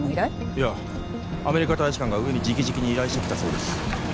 いやアメリカ大使館が上に直々に依頼してきたそうです